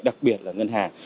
đặc biệt là ngân hàng